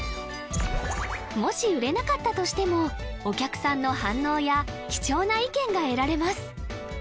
もし売れなかったとしてもお客さんの反応や貴重な意見が得られます